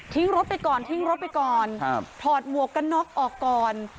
ทิ้งรถไปก่อนทิ้งรถไปก่อนทอดมวกกระน็อกออกก่อน